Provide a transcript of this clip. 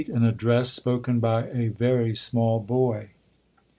An Address, spoken ey a very small Boy.